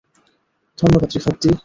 ধন্যবাদ রিফাত দ্বি।